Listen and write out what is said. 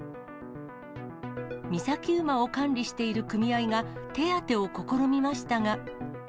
御崎馬を管理している組合が、手当てを試みましたが。